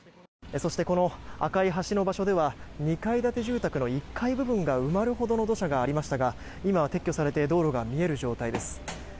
そして、この赤い橋の場所では２階建て住宅の１階部分が埋まるほどの土砂がありましたが今は撤去されて道路が見える状態です。